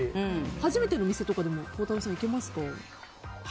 初めてのお店とかでも孝太郎さん、行けますか？